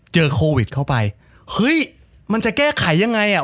เจอโควิดเข้าไปเฮ้ยมันจะแก้ไขยังไงอ่ะ